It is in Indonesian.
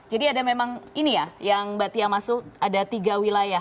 jadi ada memang ini ya yang mbak tia masuk ada tiga wilayah